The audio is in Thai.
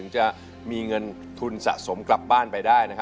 จะมีเงินทุนสะสมกลับบ้านไปได้